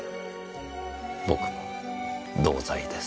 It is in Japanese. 僕も同罪です。